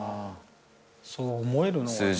そう思えるのが。